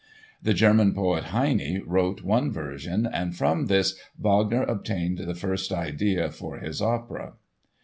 The German poet, Heine, wrote one version, and from this Wagner obtained the first idea for his opera.